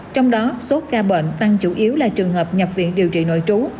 trong đó số ca bệnh tăng chủ yếu là trường hợp nhập viện điều trị nội trú